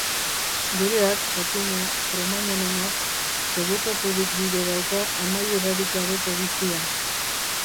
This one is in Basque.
Gureak, jakina, cromagnonenak, segurtaturik bide dauka amaierarik gabeko bizia.